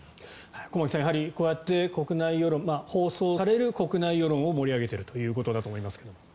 駒木さん、やはりこうやって放送される国内世論を盛り上げているということだと思いますが。